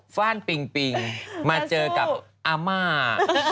ฟ่านปิงปิงมาเจอกับอาม่า